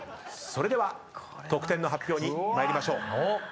それでは得点の発表に参りましょう。